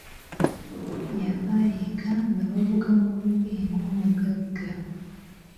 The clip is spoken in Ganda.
Yava eka nga bavuga muvuge ng'omugagga.